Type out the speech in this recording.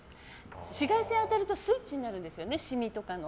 紫外線に当たるとスイッチになるんですよ、シミとかの。